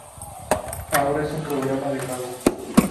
Ahora es un programa de pago.